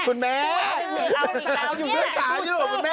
คุณแม่คุณแม่อยู่ด้วยสาอยู่นะคุณแม่